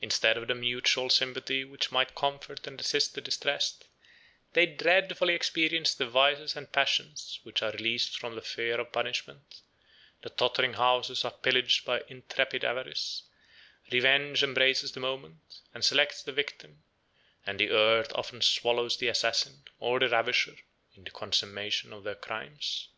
Instead of the mutual sympathy which might comfort and assist the distressed, they dreadfully experience the vices and passions which are released from the fear of punishment: the tottering houses are pillaged by intrepid avarice; revenge embraces the moment, and selects the victim; and the earth often swallows the assassin, or the ravisher, in the consummation of their crimes.